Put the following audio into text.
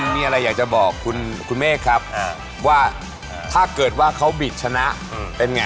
มีอะไรอยากจะบอกคุณเมฆครับว่าถ้าเกิดว่าเขาบิดชนะเป็นไง